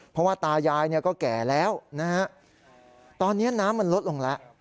เพราะว่าตายายก็แก่แล้วตอนนี้น้ำมันลดลงแล้ว